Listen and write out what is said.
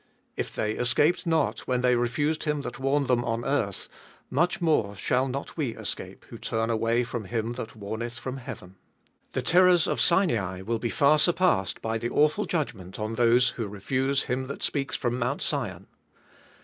If they escaped not, when they refused Him that warned them on earth, much more shall not we escape, who turn away from Him that warneth from heaven. The terrors of Sinai will be far surpassed by the awful judgment on those who refuse Him that speaks from Mount Sion.